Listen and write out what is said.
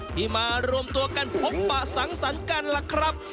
ที่มารวมตัวกันพบปะสังสรรค์กันล่ะครับ